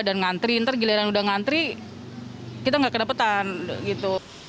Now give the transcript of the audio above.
dan ngantri entar giliran udah ngantri kita enggak kedapatan gitu